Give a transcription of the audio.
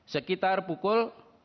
sekitar pukul delapan